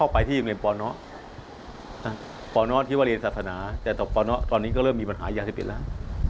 ไปเรียนศาสนาแต่ตอนนี้ก็เริ่มมีปัญหายาเสพติดแล้ว